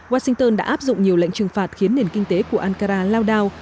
washington đã áp dụng nhiều lệnh trừng phạt khiến nền kinh tế của ankara lao đao